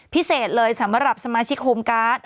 พิเศษเลยสำหรับสมาชิกโฮมการ์ด